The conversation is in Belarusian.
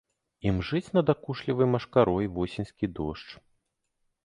Імжыць надакучлівай машкарой восеньскі дождж.